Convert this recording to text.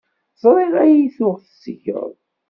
Ẓriɣ ay tuɣ tetteggeḍ.